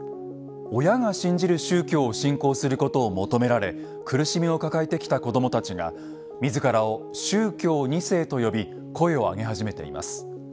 親が信じる宗教を信仰することを求められ苦しみを抱えてきた子どもたちが自らを「宗教２世」と呼び声を上げ始めています。